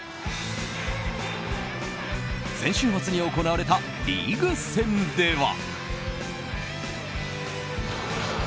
先週末に行われたリーグ戦では。